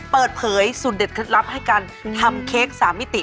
เปิดเผยสูตรเด็ดเคล็ดลับให้การทำเค้ก๓มิติ